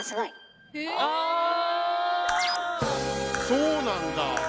そうなんだ。